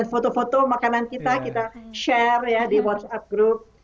dan foto foto makanan kita kita share di whatsapp group